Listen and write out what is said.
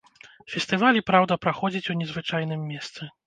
Фестываль і праўда праходзіць у незвычайным месцы.